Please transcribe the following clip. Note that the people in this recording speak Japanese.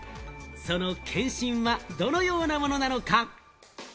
その検診は、どのようなものなのか？